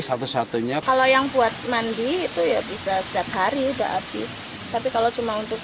satu satunya kalau yang buat mandi itu ya bisa setiap hari udah habis tapi kalau cuma untuk